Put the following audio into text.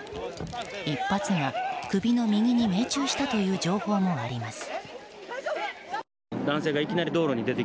１発が首の右に命中したという情報もあります。